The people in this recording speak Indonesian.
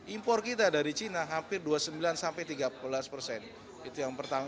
impor kita dari cina hampir dua puluh sembilan sampai tiga belas persen itu yang pertama